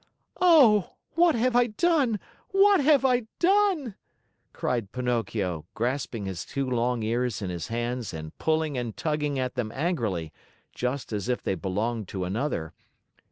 "Oh, what have I done? What have I done?" cried Pinocchio, grasping his two long ears in his hands and pulling and tugging at them angrily, just as if they belonged to another.